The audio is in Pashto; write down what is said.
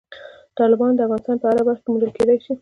تالابونه د افغانستان په هره برخه کې موندل کېدای شي.